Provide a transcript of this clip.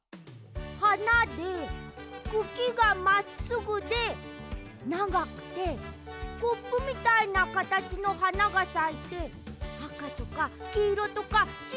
はなでくきがまっすぐでながくてコップみたいなかたちのはながさいてあかとかきいろとかしろがあって。